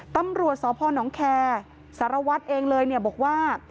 ตำรวจสนแคร์สารวัฒน์เองเลยบอกว่า